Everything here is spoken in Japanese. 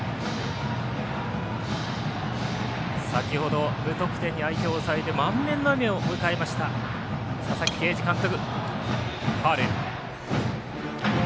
先ほど無得点に相手を抑えて満面の笑みで迎えました佐々木啓司監督。